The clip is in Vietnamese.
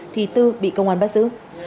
thì tư bị công an bắt giữ